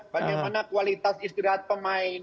bagaimana kualitas istirahat pemain